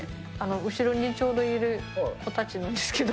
後ろにちょうどいる子たちなんですけど。